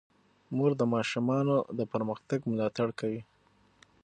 مور د ماشومانو د پرمختګ ملاتړ کوي.